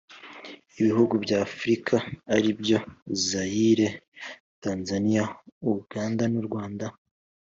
ibihugu by'afurika ari byo zayire, tanzaniya, uganda nu rwanda